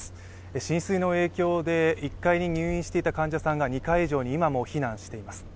浸水の影響で１階に入院していた患者さんが２階以上に今も避難しています。